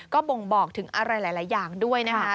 ก็บ่งบอกถึงอะไรหลายอย่างด้วยนะคะ